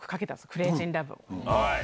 クレージーラブを。